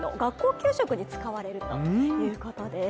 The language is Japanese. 給食に使われるということです。